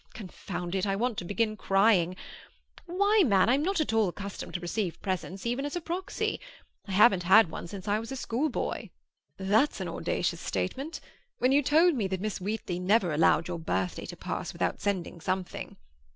Confound it! I want to begin crying. Why, man, I'm not accustomed to receive presents, even as a proxy; I haven't had one since I was a schoolboy." "That's an audacious statement. When you told me that Miss Wheatley never allowed your birthday to pass without sending something."